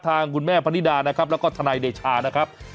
ทางคุณแม่พนิดานะครับแล้วก็ทนายเดชานะครับ